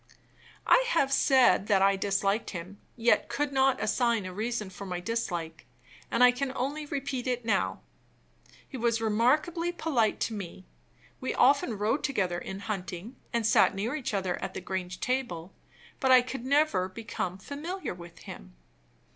I have said that I disliked him, yet could not assign a reason for my dislike; and I can only repeat it now. He was remarkably polite to me; we often rode together in hunting, and sat near each other at the Grange table; but I could never become familiar with him.